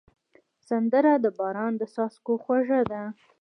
سندره د باران د څاڅکو خوږه ده